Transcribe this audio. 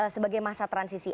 sebagai masa transisi